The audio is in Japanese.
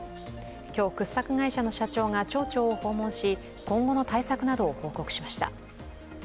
今日、掘削会社の社長が、町長を訪問し、今後の対策などを報告しました。